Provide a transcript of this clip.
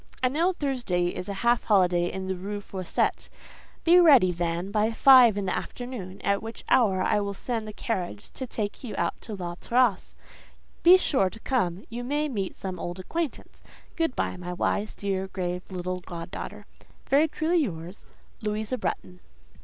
I know Thursday is a half holiday in the Rue Fossette: be ready, then, by five in the afternoon, at which hour I will send the carriage to take you out to La Terrasse. Be sure to come: you may meet some old acquaintance. Good by, my wise, dear, grave little god daughter.—Very truly yours, "LOUISA BRETTON."